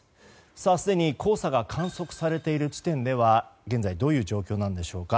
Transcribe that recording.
すでに黄砂が観測されている地点では現在どういう状況なんでしょうか。